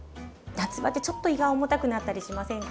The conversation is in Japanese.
夏場ってちょっと胃が重たくなったりしませんか？